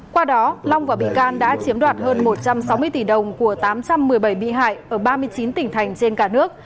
qua đó long và bị can đã chiếm đoạt hơn một trăm sáu mươi tỷ đồng của tám trăm một mươi bảy bị hại ở ba mươi chín tỉnh thành trên cả nước